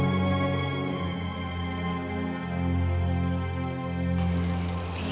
gak ada apa apa